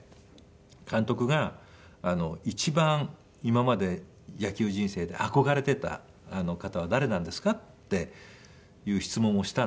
「監督が一番今まで野球人生で憧れていた方は誰なんですか？」っていう質問をしたんですね。